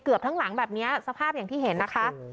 เกือบทั้งหลังแบบนี้สภาพอย่างที่เห็นนะคะ